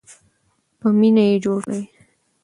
په مینه یې جوړ کړئ.